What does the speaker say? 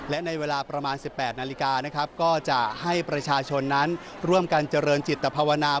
และในเวลาประมาณ๑๘นาฬิกานะครับก็จะให้ประชาชนนั้นร่วมกันเจริญจิตภาวนา